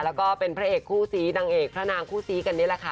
แล้วก็เป็นพระเอกคู่ซีนางเอกพระนางคู่ซีกันนี่แหละค่ะ